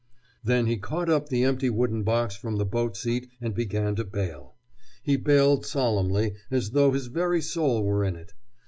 Then he caught up the empty wooden box from the boat seat and began to bale. He baled solemnly, as though his very soul were in it.